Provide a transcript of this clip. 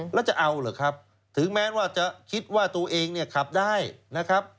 แล้วจะเอาเหรอครับถึงแม้ว่าจะคิดว่าตัวเองเนี่ยขับได้นะครับ